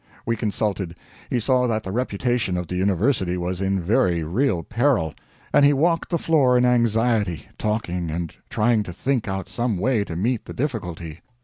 "We consulted. He saw that the reputation of the University was in very real peril, and he walked the floor in anxiety, talking, and trying to think out some way to meet the difficulty.